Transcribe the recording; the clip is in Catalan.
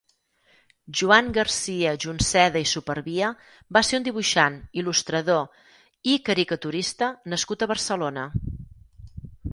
Joan García Junceda i Supervia va ser un dibuixant, il·lustrador i caricaturista nascut a Barcelona.